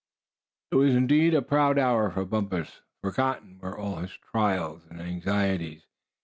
It was indeed a proud hour for Bumpus. Forgotten were all his trials and anxieties.